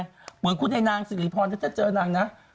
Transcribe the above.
เหมือนคุณไอ้นางสิริพรถ้าเจอนางนะ